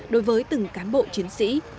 đối với từng cán bộ chiến sĩ